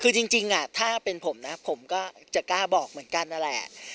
คือจริงถ้าเป็นผมนะผมก็จะกล้าบอกเหมือนกันนั่นแหละ